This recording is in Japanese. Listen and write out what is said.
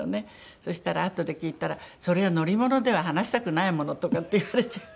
そしたらあとで聞いたら「そりゃあ乗り物では話したくないもの」とかって言われちゃって。